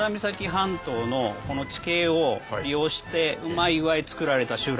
半島のこの地形を利用してうまい具合につくられた集落。